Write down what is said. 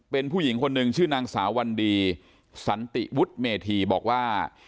เป็นผู้หญิงคนหนึ่งชื่อนางสาววันดีสันติวุฒิเมธีบอกว่า